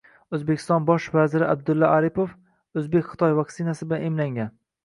O‘zbekiston bosh vaziri Abdulla Aripov o‘zbek-xitoy vaksinasi bilan emlangan